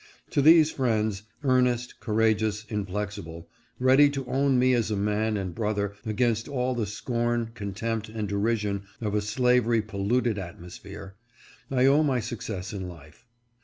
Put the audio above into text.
To these friends, earnest, courageous, inflexible, ready to own me as a man and brother, against all the scorn, contempt, and derision of a slavery polluted atmosphere, I owe my success in life.